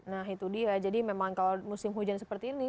nah itu dia jadi memang kalau musim hujan seperti ini